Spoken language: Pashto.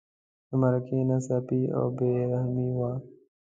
د مرګي ناڅاپي او بې رحمه وو.